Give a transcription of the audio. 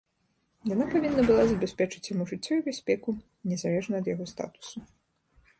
Яна павінна была забяспечыць яму жыццё і бяспеку, незалежна ад яго статусу.